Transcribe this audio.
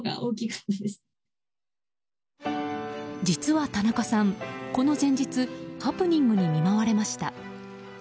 実は田中さん、この前日ハプニングに見舞われました。